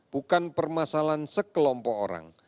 bukan permasalahan sekelompok orang